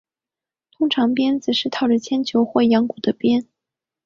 通常鞭子是套着铅球或羊骨的鞭。